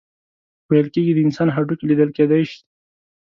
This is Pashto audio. ویل کیږي د انسان هډوکي لیدل کیدی شي.